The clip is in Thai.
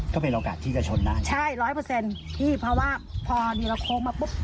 ก็เป็นโอกาสที่จะชนได้ใช่ร้อยเปอร์เซ็นต์พี่เพราะว่าพอดีเราโค้งมาปุ๊บ